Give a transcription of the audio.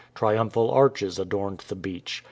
Triumphal arches adorned the beach.